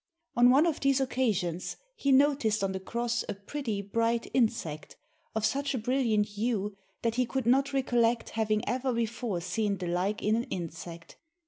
On one of these occasions he noticed on the cross a pretty, bright insect, of such a brilliant hue that he could not recollect having ever before seen the like in an insect.